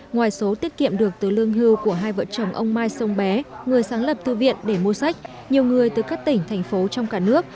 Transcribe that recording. ngoài số tiết kiệm được từ lương hưu của hai vợ chồng ông mai sông bé người sáng lập thư viện để mua sách nhiều người từ các tỉnh thành phố trong cả nước